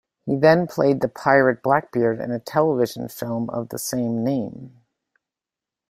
He then played the pirate Blackbeard in a television film of the same name.